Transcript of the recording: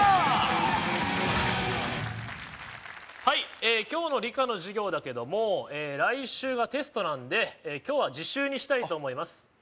はい今日の理科の授業だけども来週がテストなんで今日は自習にしたいと思います